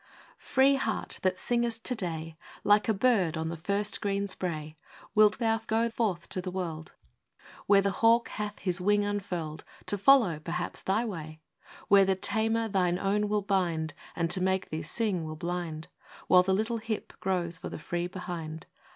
'C'REE Heart, that singest to day Like a bird on the first green spray ; Wilt thou go forth to the world, 44 FROM QUEENS' GARDENS. Where the hawk hath his wing unfurled To follow, perhaps, thy way? , Where the tamer, thine own, will bind, And, to make thee sing, will blind, While the little hip grows for the free behind